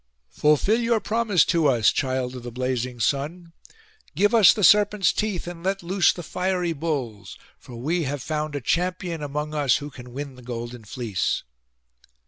'Fulfil your promise to us, child of the blazing Sun. Give us the serpents' teeth, and let loose the fiery bulls; for we have found a champion among us who can win the golden fleece.